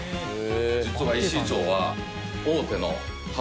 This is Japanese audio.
実は石井町は。